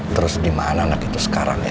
terus gimana anak itu sekarang ya